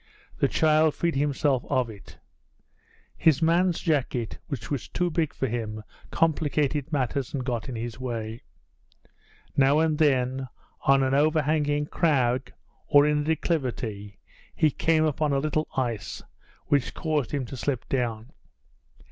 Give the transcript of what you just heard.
The child freed himself of it. His man's jacket, which was too big for him, complicated matters, and got in his way. Now and then on an overhanging crag or in a declivity he came upon a little ice, which caused him to slip down.